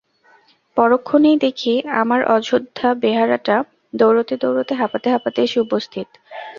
পরক্ষণেই দেখি, আমার অযোধ্যা বেহারাটা দৌড়তে দৌড়তে হাঁপাতে হাঁপাতে এসে উপস্থিত।